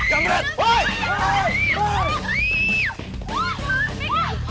tidak tidak tidak